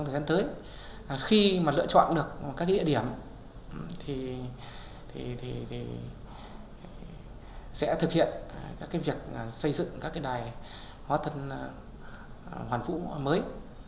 thời gian tới khi mà lựa chọn được các địa điểm thì sẽ thực hiện các cái việc xây dựng các cái đài hóa thân hoàn vũ mới